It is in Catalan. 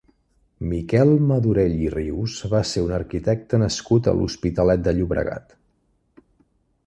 Miquel Madorell i Rius va ser un arquitecte nascut a l'Hospitalet de Llobregat.